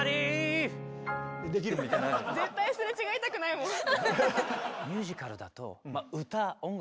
絶対すれ違いたくないもん。